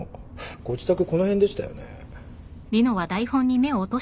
ご自宅この辺でしたよね。